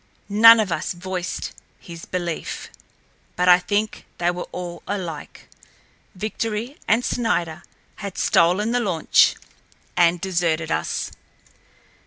None of us voiced his belief. But I think they were all alike: Victory and Snider had stolen the launch, and deserted us.